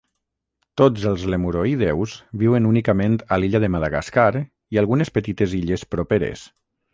Tots els lemuroïdeus viuen únicament a l'illa de Madagascar i algunes petites illes properes.